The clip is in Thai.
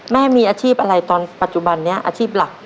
แม่มีอาชีพอะไรตอนปัจจุบันนี้อาชีพหลัก